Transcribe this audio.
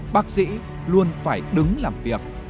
bác sĩ luôn phải đứng làm việc